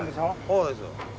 そうです。